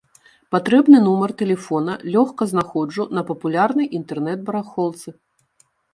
Патрэбны нумар тэлефона лёгка знаходжу на папулярнай інтэрнэт-барахолцы.